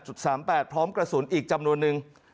๓๘พร้อมกระสุนอีกจำนวนนึง